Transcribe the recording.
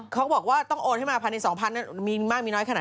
เขาบอกว่าต้องโอนให้มา๑๒๐๐๐มีมากมีน้อยเพราะค่ะ